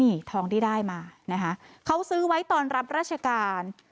นี่ทองที่ได้มานะคะเขาซื้อไว้ตอนรับราชการ